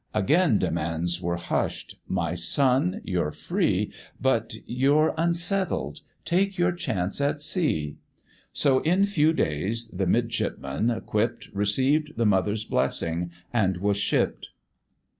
Again demands were hush'd: "My son, you're free, But you're unsettled; take your chance at sea:" So in few days the midshipman, equipp'd Received the mother's blessing, and was shipp'd.